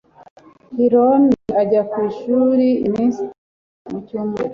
Hiromi ajya ku ishuri iminsi itanu mu cyumweru.